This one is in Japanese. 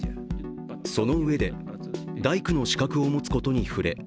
そのうえで、大工の資格を持つことに触れ